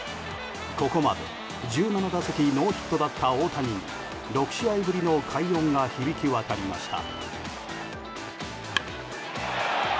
ここまで１７打席ノーヒットだった大谷に６試合ぶりの快音が響き渡りました。